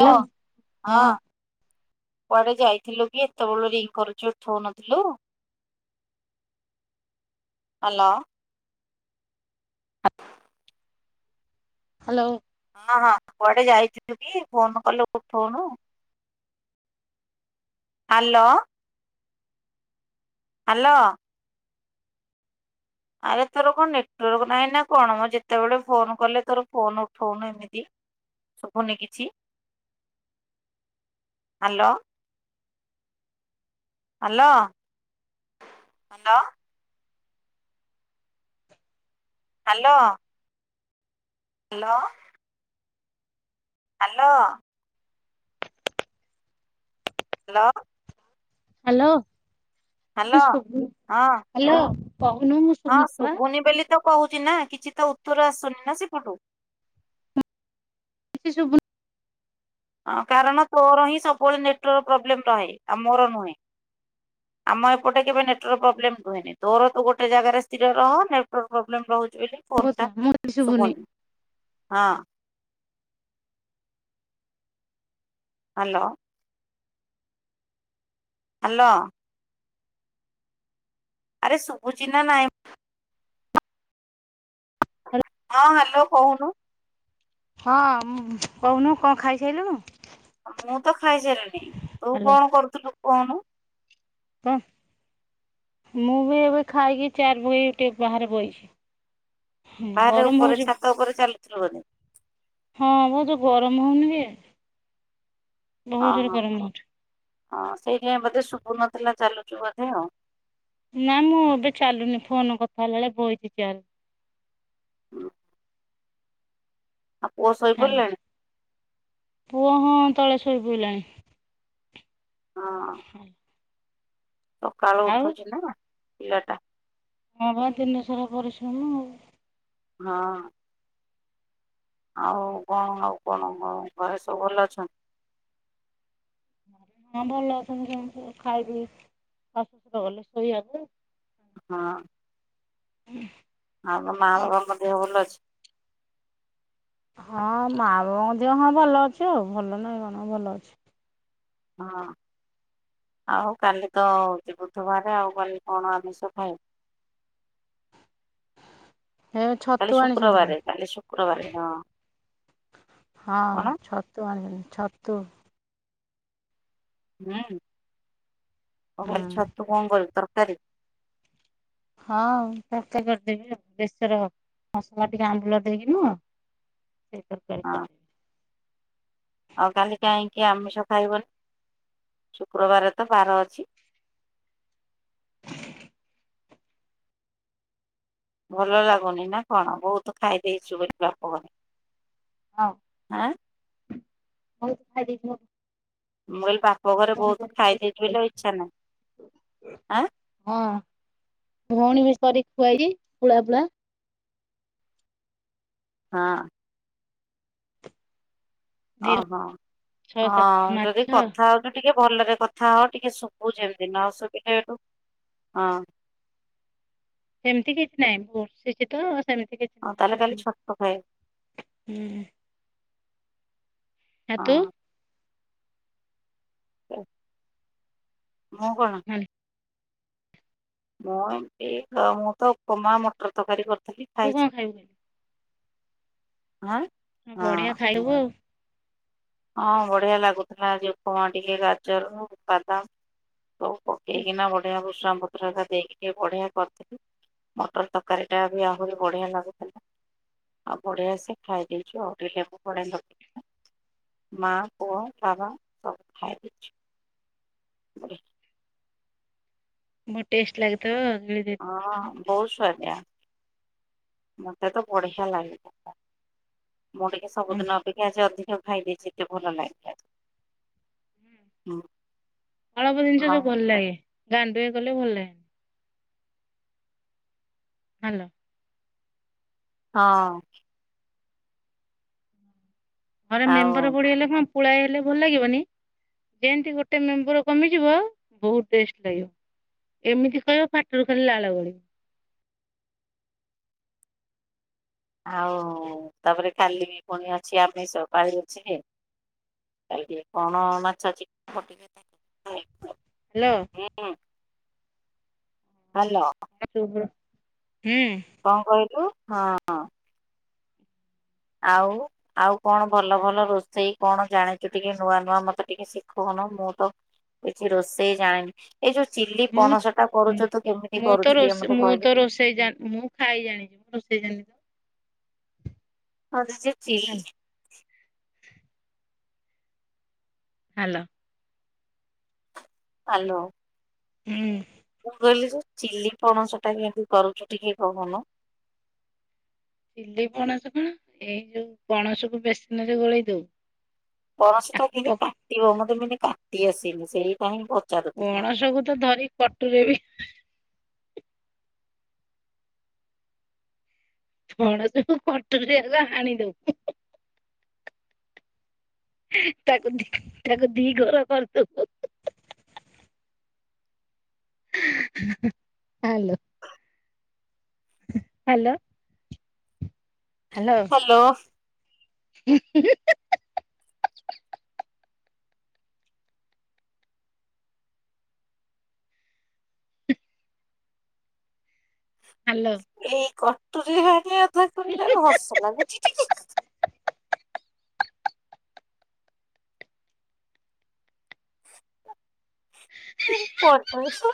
Hello ହଁ। କୁଆଡେ ଯାଇଥିଲୁ କି ଏତେ ବଳୁ ରିଙ୍ଗ୍ କରୁଚି ଉଠଉନଥିଲୁ? ହାଲୋ। [inaudible] ହାଲୋ। ହଁ ହଁ କୁଆଡେ ଯାଇଥିଲୁ କି ଫୋନ୍ କଲେ ଉଠଉନୁ? ହାଲୋ। ହାଲୋ। ଆରେ ତୋର କଣ ନେଟୱାର୍କ ନାହିଁ ନାଁ କଣ ଯେତେବେଳେ ଫୋନ୍ କଲେ ତୋର ଫୋନ୍ ଉଠଉନୁ ଏମିତି? ଶୁଭୁନି କିଛି hello. Hello hello. Hello. Hello. Hello. Hello. Hello. Hello କିଛି ସୁବୁନି ହଁ ହ୍ୟାଲୋ ହଁ ଶୁଣୁଛି ବା ଶୁବୁନି ବୋଲି ତ କହୁଚି ନା କିଛି ତ ଉତ୍ତର ଆସୁନି ନା ସେପଟୁ। କିଛିସୁବୁନ କାରଣ ତୋର ହିଁ ସବୁବେଳେ ନେଟୱାର୍କ ପ୍ରୋବ୍ଲେମ୍ ରହେ ଆ ମୋର ନୁହେଁ। ଆମ ଏପଟେ କେବେ ନେଟୱାର୍କ ପ୍ରୋବ୍ଲେମ୍ ରୁହେନି ତୋର ତୁ ଗୋଟେ ଜାଗାରେ ସ୍ଥିର ରହ ନେଟୱାର୍କ ପ୍ରୋବ୍ଲେମ ରହୁଛି ବୋଲି ତୋ ଫୋନ୍ ଟା କଥା ମତେ ଶୁଭୁନି। ସୁବୁନି। ହଁ। ହାଲୋ। ହାଲୋ। ଆରେ ଶୁଭୁଚି ନା ନାଇଁ? ହାଲ ହଁ ହ୍ୟାଲୋ କହୁନୁ। ହଁ ମୁଁ ମ୍ କହୁନୁ କଣ ଖାଇସାଇଲୁଣୁ? ମୁଁ ତ ଖାଇସାଇଲିଣି। ତୁ ହ୍ୟାଲୋ କଣ କରୁଥିଲୁ କହୁନୁ? ହଁ ମୁଁ ବି ଏବେ ଖାଇକି ଚାରି ପକେଇକି ଟିକେ ବାହାରେ ବଇଚି। ପାହାଚ ଗରମ ଉପରେ ହଉଛି ଛାତ ଉପରେ ଚାଲୁଥିଲୁ ବୋଧେ? ହଁ। ବହୁତ ଗରମ ହଉନି କି? ବହୁତ ଅ ଜୋରେ ହଁ, ଗରମ ହଉଛି। ହଁ। ସେଇଥିାଇଁ ବୋଧେ ଶୁଭୁନଥିଲା ଚାଲୁଚୁ ବୋଧେ ଆଉ। ନା ମୁଁ ଏବେ ଚାଲୁନି, ଫୋନ କଥା ହେଲା ବେଳେ ବଇଚି ଚିଆରେ। ହଁ ଆ ପୁଅ ଶୋଇ ହାଲୋ। ପଡ଼ିଲାଣି? ପୁଅ ହଁ ତଳେ ଶୋଇପଡ଼ିଲାଣି। ହଁ। ହୁଁ। ସକାଳୁ ଉଠୁଚିନା ପିଲାଟା। ହଁ ବା ଦିନ ଶରା ପରିଶ୍ରମ ଆଉ। ହଁ। ଆଉ କଣ ଆଉ କଣ ଘରେ ସବୁ ଭଲ ଅଛନ୍ତି? ହଁ ଭଲ ଅଛନ୍ତି ସମସ୍ତେ। ଖାଇ ପିଇକି ଶାଶୁ ଶୁର ଗଲେ ଶୋଇବାକୁ। ହଁ। ହୁଁ ଆମ ମା ବାବା ଙ୍କ ଦେହ ଭଲ ଅଛି? ହଁ ମା ବାବାଙ୍କ ଦେହ ହଁ ଭଲ ଅଛି ଆଉ ଭଲ ନହିଁ କଣ ଭଲ ଅଛି। ହଁ ଆଉ କାଲି ତ ହଉଚି ବୁଧୁବାରେ ଆଉ କାଲି କଣ ଆମିଷ ଖାଇବୁ? ହେ କାଲି ଛତୁ ଆଣିଛନ୍ତି ରେ ଶୁକ୍ରବାରେ କାଲି ଶୁକ୍ରବାରେ ହଁ। ହଁ କଣ ଛତୁ ଆଣିବି ଛତୁ ହୁଁ ଆଉ ହୁଁ କଲି ଛତୁ କଣ କରିବୁ ତରକାରୀ? ହଁ ତକାରୀ କରିଦେବି ଆଉ। ବେଶର ମସଲା ଟିକେ ଆମ୍ବୁଲ ଦେଇକିି ନୁଅ ସେଇ ତକାରୀ। ହଁ। ଆଉ କାଲି କାହିଁକି ଆମିଷ ଖାଇବନି? ଶୁକ୍ରବାର ତ ବାର ଅଛି। ହ ଭଲ ଲାଗୁନି ନା କଣ? ବହୁତ ଖାଇଦେଇଚୁ ବୋଲି ବାପ ଘରେ। ହଁ ଆଁ ବୋହୁତ ଖାଇଦେଥିବ। ମୁଁ କହିଲି ବାପ ଘରେ ବହୁତ କରିକି ବେଶୀ ଖାଇଦେଇଚୁ ବୋଲି ଖାଇଛି। ଆଉ ଇଚ୍ଛା ନାହିଁ। ଆଁ ହଁ ଭଉଣୀ ବି ସ କରିକି ଖୁଆଇଛି ପୁଳା ପୁଳା। ହଁ। ଦି ଓହୋ। ଛଅ ଅ ସାତ ମାଛ ଯଦି କଥା ହଉଚୁ ଟିକେ ଭଲରେ କଥା ହ ଟିକେ ଶୁବୁ ଯେମିତି ନ ସୁବିଲେ ହେଟୁ ହଁ। ସେମିତି କିଛି ନାହିଁ ବସିଚି ତ ସେମିତି କିଛି ଅଉ ନାହିଁ ତାହେଲେ ସବୁ କାଲି ଛତୁ ଖାଇ ହୁଁ। ଆ ତୁ ହଁ ମୁଁ କଣ? [inaudible] ମୁଁ ଏମତି ମୁଁ ତ ଉପମା ମଟର ତରକାରୀ କରିଥିଲି ତୁ ଖାଇଛି। କଣ ଖାଇବୁ? ଆଁ ବଢିଆ ଖାଇବୁ ଆଉ। ହଁ ବଢିଆ ଲାଗୁଥିଲା ଆଜି ଉପମା ଟିକେ ଗାଜର ବାଦାମ ସବୁ ପକେଇକି ନା ବଢିଆ ଭୁଷଙ୍ଗ ପ ଦେଇକି ବଢିଆ କରିଥିଲୁ ମଟର ତରକାରୀ ଟା ବି ଆହୁରି ବଢିଆ ଲାଗୁଥିଲା। ଆଉ ବଢଆ ସେ ଖାଇଦେଇଛୁ ଆଉ [inaudible] ପଳେଇଲୁ। ମା ପୁଅ ବାବା ସବୁ ଖାଇଦେଇଛୁ। ବଡ଼ି। ବହୁ ଟେଷ୍ଟ ଲାଗିଥିବ ଗିଳି ଦେ ହଁ ବହୁତ ସୁଆଦିଆ। ମତେ ତ ବଢିଆ ଲାଗିଲା ମୁଁ ଟି ସବୁଦିନ ଅପେକ୍ଷା ଆଜି ଅଧିକ ଖାଇ ଦେଇଛି ଏତେ ଭଲ ଲାଗିଲା ଯେ ହୁଁ। ଅଳପ ଜିନିଷ ଆଉ ସବୁ ଭଲ ଲାଗେ ଗାଣ୍ଡୁଏ କଲେ ଭଲ ଲାଗେ। ଭଲ। ହଁ। ଘରେ ଆଉ ମେମ୍ବର ବଢ଼ି ଗଲେ କଣ ପୁଳାଏ ହେଲେ ଭଲ ଲାଗିବନି। ଯେମତି ଗୋଟେ ମେମ୍ବର କମିଯିବ ବହୁତ ଟେଷ୍ଟ ଲାଗିବ। ଏମିତି କହିବ ପାଟରୁ ଖାଲି ଲାଳ ଗୋଳିବ। ଆଉ ତାପରେ କାଲି ବି ପୁଣି ଅଛି ଆମିଷ ବାୟୁ ରୁଚିରେ। କାଲି କଣ ମାଛ କି [inaudible] ହ୍ୟାଲୋ। ହୁଁ। ହାଲୋ। [inaudible] ହୁଁ। କଣ କହିଲୁ ହଁ। ଆଉ। ଆଉ କଣ ଭଲ ଭଲ ରୋଷେଇ କଣ ଜାଣିଚୁ ଟିକେ ନୂଆ ନୂଆ ମତେ ଟିକେ ଶିଖଉନୁ ମୁଁ ତ କିଛି ରୋଷେଇ ଜାଣିନି ଏଇ ଯୋଉ ଚିଲି ମୁଁ ପଣସ ଟା କରୁଚୁ ତୁ କେମିତି କରୁଚୁ ଟିକେ ମତେ କହିଲୁ? ସେ ମୁଁ ଖାଇ ଜାଣିଛି ମୁଁ ରୋଷେଇ ଜାଣିନି। ହଁ [inaudible] ଚିଲି। ତ ହ୍ୟାଲୋ। ଆଲୋ। ହୁଁ। ମୁଁ କହିଲି ଯେ ଚିଲି ପଣସ ଟା କେମିତି କରୁଚୁ ଟିକେ କହୁନୁ? ଚିଲି ପଣସ କଣ ଏଇ ଯୋଉ ପଣସ କୁ ବେସିନରେ ଗୋଳେଇ ଦଉ। ପଣସ ଟା କେଁତି ତାକୁ କାଟିବ ମତେ ମାନେ କାଟି ଆସିନି ସେଇପାଇଁ ପ ପଣସ କୁ ତ ଧରି କଟୁରରେ ବି ଫଣସକୁ କଟୁରୀରେ ହେଲା ହାଣିଦଉ। ତାକୁ ଦି ତାକୁ ଦି ଘର କରିଦବୁ। ଆଲୋ। ହ୍ୟାଲୋ। ହ୍ୟାଲୋ। ଆଲୋ। ଏଇ କଟୁରୀ ରେ ହାଣିବା କଥା କହିଲାରୁ ହସ ଲାଗୁଛି ଟିକେ। [inaudible] ପଟରେ ସ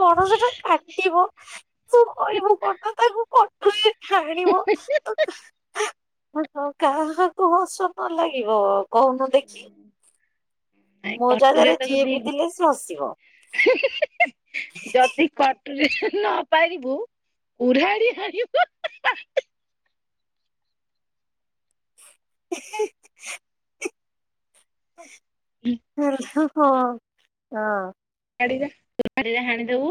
ପଣସଟା କାଟିବ ତୁ କରିବୁ କଣ ତାକୁ କଟୁରୀ ହାଣିବ ତ ତ କାହାକୁ ହସ ନ ଲାଗିବ କହୁନୁ ଦେଖି। ନାଇଁ ମୋ କଟୁରେ ଜାଗାରେ ତାକୁ ଯିଏ ଦି ବିି ଥିଲେ ସିଏ ହସିବ। ଯଦି କଟୁରୀରେ ନପାରିବୁ କୁରାଢ଼ି ହାଣିବୁ। [inaudible] ହଁ ହଁ। [unintelligible] କୁରାଢ଼ି ରେ ହାଣି ଦବୁ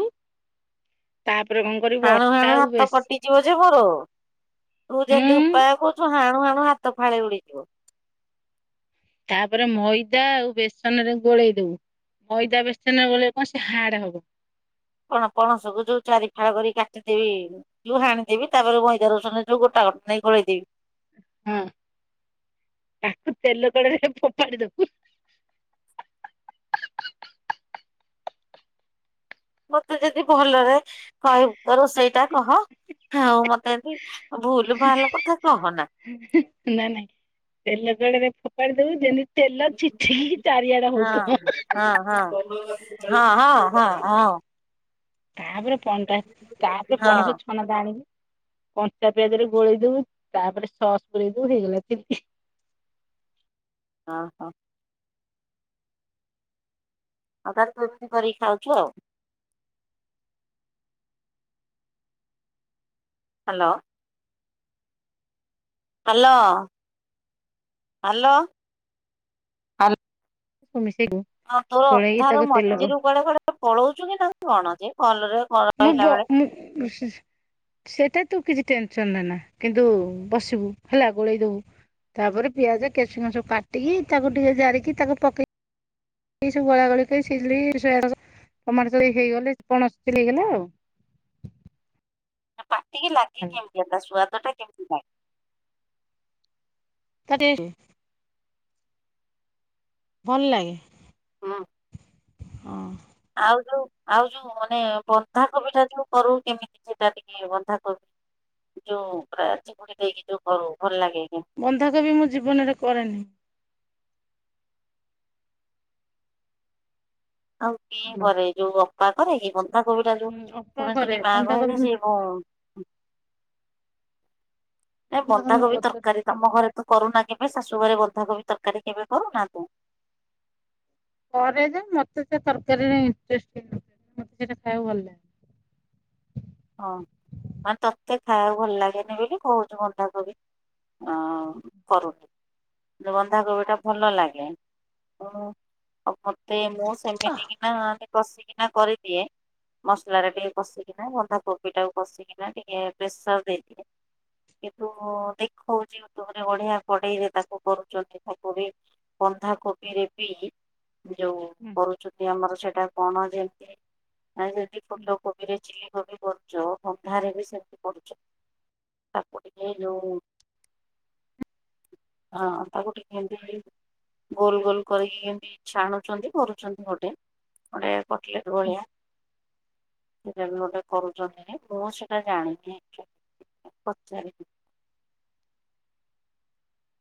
ତାପରେ କଣ କରିବୁ ହାଣୁ ଅଟା ହାଣୁ ଆଉ ହାତ ବେସ୍ କଟିି ଯିବ ଯେ ମୋର ତୁ ଯେମିତି ହୁଁ ଉପାୟ କହୁଚୁ ହାଣୁ ହାଣୁ ହାତ ଫାଳେ ଉଡିଯିବ। ତାପରେ ମଇଦା ଆଉ ବେସନ ରେ ଗୋଳେଇ ଦବୁ। ମଇଦା ବେଶନ ରେ ଗୋଲେଇବ ସେ ହାର୍ଡ ହବ। କଣ ପଣସ କୁ ଯୋଉ ଚାରି ଫାଳ କରି କାଟିଦେବି। ଯୁ ହାଣିଦେବି ତାପରେ ମଇଦା ରୋଷନରେ ସବୁ ଗୋଟା ଗୋ ନେଇ ଖୋଳେଇଦେବି। ହଁ ତାକୁ ତେଲ କଢେଇରେ ଫୋପାଡ଼ି ଦବୁ। ମତେ ଯଦି ଭଲରେ କହିବୁ ତ ରୋଷେଇ ଟା କହ ଆଉ ମତେ ଯଦି ଭୁଲ ଭାଲ କଥା କହନା। ନା ନାଇଁ ତେଲ କଡରେ ଫୋପାଡି ଦବୁ ଯେମିତି ତେଲ ଚିଟିକି ଚାରିଆଡେ ହଁ ହଉଥିବ। ହଁ ହଁ ହଁ ହଁ ହଁ ହଁ। ତାପରେ ପଣଟା ତାପରେ ପଣସ ଟା ଆଣିବି କଞ୍ଚା ପିଆଜ ରେ ଗୋଳେଇ ଦବୁ ତାପରେ ସସ୍ ପୁରେଇ ଦବୁ ହେଇଗଲା ଚିଲି। ହ ହୋ। ଆଉ ତା ହେଲେ ତୁ ଏମିତି କରିକି ଖାଉଛୁ ଆଉ। ହ୍ୟାଲୋ। Hello hello. ତୁ ମିଶେବୁ। ହଁ ତୋର ଅଧାର ମଝିରୁ କୁଆଡେ କୁଡେ ପଳଉଛୁ କି ନା କଣ ଅଛି ଭଲରେ ମୁଁ ବ ରହିଲା ବେଳେ। [inaudible] ସେଟା ତୁ କିଛି ଟେନସନ ନେ ନା କିନ୍ତୁ ବସିବୁ ହେଲା ଗୋଳେଇଦବୁ। ତାପରେ ପିଆଜ କେଶୁଣ ସବୁ କାଟିକି ତାକୁ ଟିକେ ଜାରିକି ତାକୁ ପକେଇ [unintelligible] ପାଟିକି ଲାଗେ ଭଲ କେମିତି ଏଟା ସୁଆଦ ଟା କେମତି ଲାଗେ। ତା ଟେସ୍ ଭଲ ଲାଗେ। ହଁ। ହଁ। ଆଉ ଯୋଉ ଆଉ ଯୋଉ ମାନେ ବନ୍ଧା କୋବି ଟା ଯୋଉ କରଉ କେମିତି ସେଟା ଟି କେ ବନ୍ଧା କୋବି ଯୋଉ ପୁରା ଚିଗୁଡି ଦେଇକି ଯୋଉ କରୁ ଭଲ ଲାଗେ ବନ୍ଧାକବି ମୁଁ ଜୀବନରେ କରେନି। ଆଉ କିଏ ହୁଁ କରେ ଯୋଉ ଅପା କରେ କି ବ ନ୍ଧା କୋବି ଟା ଯୋଉ ତୁ ଅପା କେମିତି କରେ କି ମା ବନ୍ଧାକୋବି କହିଲେ ସେ ବୋଉ ଏଟା ମୋ ବନ୍ଧାକୋବି ବୋଉ କରେ। ତରକାରୀ। ତମ ଘରେ ତୁ କରୁନା କେବେ ଶାଶୁ ଘରେ ବନ୍ଧାକୋବି ତରକାରୀ କେବେ କରୁନା ତୁ। କରେ ଯେ ମତେ ସେ ତରକାରୀରେ ଇଣ୍ଟ୍ରେଷ୍ଟ୍ [unintelligible] ମତେ ସେଟା ଖାଇବାକୁ ଭଲ ଲାଗେ। ହଁ ମାନେ ତତେ ଖାଇବାକୁ ଭଲ ଲାଗେନି ବୋଲି କହୁଚୁ ବଣ୍ଡାକୋବି ଆଉ କରୁନି। ଯୋଉ ବନ୍ଧାକୋବିଟା ଭଲ ଲାଗେ ଆଉ ମୋତେ ମୁଁ ସେମିତି କି ନା କସିକିନା କରିଦିଏ ମସଲାରେ ଟିକେ କସିକିନା ବନ୍ଧା କୋବି ଟାକୁ କଷିକିନା ଟିକେ ପ୍ରେସର ଦେଇଦିଥିଲେ। କିନ୍ତ ଖଉଛି ୟୁଟୁବ ରେ ବଢିଆ କଢେଇରେ ତାକୁ କରୁଛନ୍ତି ନ୍ଧାକୋବି। ବନ୍ଧାକୋବିରେ ବି ଯୋଉ କରୁଛନ୍ତି ଆମର ସେଟା କଣ ଯେମିତି ଆଇ ଯେମିତି ଫୁଲ କୋବିରେ ଚିଲି କୋବି କରୁଛୁ ବନ୍ଧାରେ ବି ସେମିତି କରୁଚୁ। ତାକୁ ଟିକେ ଯୋଉ ହଁ ତାକୁ ଟିକେ ଖାଲି ଏମିତି ଗୋଲ ଗୋଲ କରିକି କେମିତି ଛାଣୁଛନ୍ତି କରୁଛନ୍ତି। ଗୋଟେ ଗୋଟେ କଟଲେଟ ଭଳିଆ ସେଟ ଗୋଟେ। କରୁଛନ୍ତି ମୁଁ ସେଇଟା ଜାଣିନି। ପଚାରି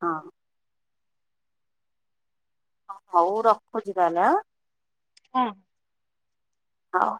ହଁ। ହୋଉ ରଖୁଛି ତାହେଲେ ଆଁ। ହଁ। ହଁ।